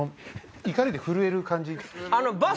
怒りで震える感じ。